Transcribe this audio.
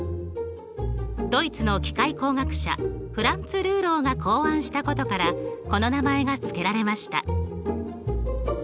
ドイツの機械工学者フランツ・ルーローが考案したことからこの名前が付けられました。